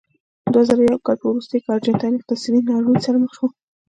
د دوه زره یو کال په وروستیو کې ارجنټاین اقتصادي ناورین سره مخ و.